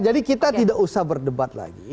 jadi kita tidak usah berdebat lagi